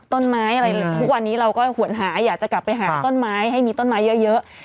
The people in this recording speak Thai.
ต้นไม้อะไรทุกวันนี้เราก็หวนหาอยากจะกลับไปหาต้นไม้ให้มีต้นไม้เยอะ